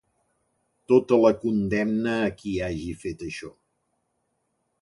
Tota la condemna a qui hagi fet això.